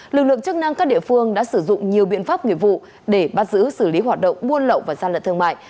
lực lượng chức năng các địa phương đã sử dụng nhiều biện pháp nghiệp vụ để bắt giữ xử lý hoạt động buôn lậu và gian lận thương mại